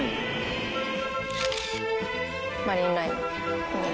「マリンライナー」